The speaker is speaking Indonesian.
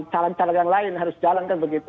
calon calon yang lain harus jalankan begitu